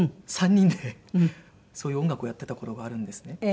３人でそういう音楽をやってた頃があるんですね。